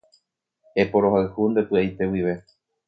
Eporohayhu nde py'aite guive